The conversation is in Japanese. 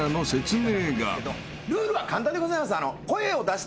ルールは簡単でございます。